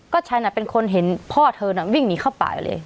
ก็ฉันเป็นคนเห็นพ่อเธอน่ะวิ่งหนีเข้าป่าไปเลย